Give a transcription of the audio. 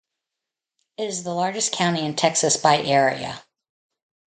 It is the largest county in Texas by area.